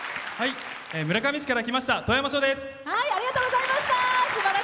村上市から来ましたとおやまです。